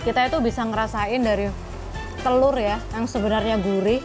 kita itu bisa ngerasain dari telur ya yang sebenarnya gurih